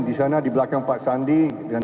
di sana di belakang pak sandi dan